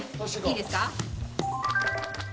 いいですか？